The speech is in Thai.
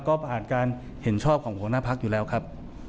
ก็ผ่านการเห็นชอบของหัวหน้าพักอยู่แล้วครับ